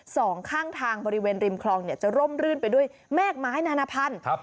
สองข้างทางบริเวณริมคลองเนี่ยจะร่มรื่นไปด้วยแม่กไม้นานาพันธุ์ครับ